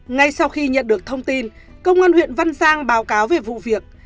ngay sau khi nhận được thông tin công an huyện văn giang báo cáo về vụ việc